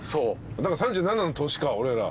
だから３７の年か俺ら。